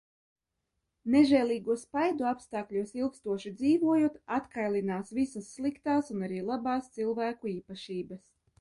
Nežēlīgo spaidu apstākļos ilgstoši dzīvojot atkailinās visas sliktās un arī labās cilvēku īpatnības.